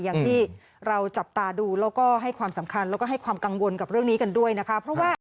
อย่างที่เราจับตาดูแล้วก็ให้ความสำคัญแล้วก็ให้ความกังวลกับเรื่องนี้กันด้วยนะคะเพราะว่า